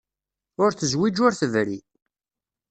Ur tezwiǧ ur tebri.